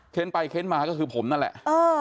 ไปเค้นมาก็คือผมนั่นแหละ